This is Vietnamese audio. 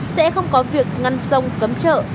sẽ không có việc ngăn sông cấm chợ